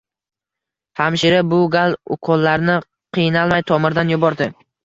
Hamshira bu gal ukollarni qiynalmay tomirdan yubordi